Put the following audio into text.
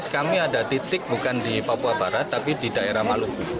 dua ribu sembilan belas kami ada titik bukan di papua barat tapi di daerah maluku